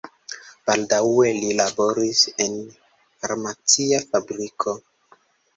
Baldaŭe li laboris en farmacia fabriko.